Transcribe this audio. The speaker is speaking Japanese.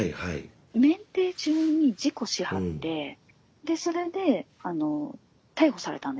免停中に事故しはってでそれであの逮捕されたんですよ。